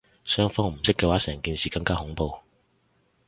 雙方唔識嘅話成件事更加恐怖